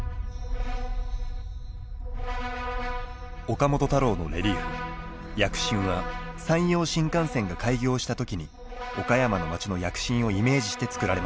岡本太郎のレリーフ「躍進」は山陽新幹線が開業した時に岡山の街の躍進をイメージして作られました。